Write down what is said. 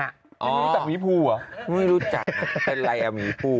ไม่มีแต่หมีภูอ่ะไม่รู้จักนะเป็นอะไรอ่ะหมีภู